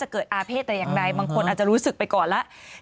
เกิดอาเภษแต่อย่างใดบางคนอาจจะรู้สึกไปก่อนแล้ว